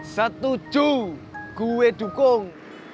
setuju gue dukung